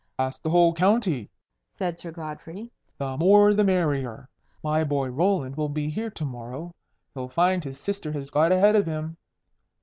"Ask the whole county," said Sir Godfrey. "The more the merrier. My boy Roland will be here to morrow. He'll find his sister has got ahead of him.